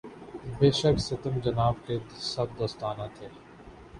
بے شک ستم جناب کے سب دوستانہ تھے